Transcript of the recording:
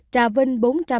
trà vinh bốn trăm năm mươi bốn